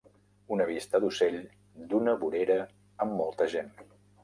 Una vista d'ocell d'una vorera amb molta gent.